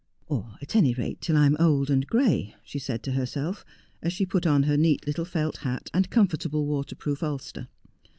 'Or at any rate till I am old and gray,' she said to herself, as she put on her neat little felt hat, and comfortable waterproof Ulster.